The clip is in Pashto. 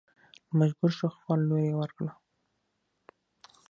نو مجبور شو خپله لور يې ور کړه.